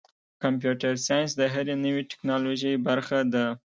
کمپیوټر ساینس د هرې نوې ټکنالوژۍ برخه ده.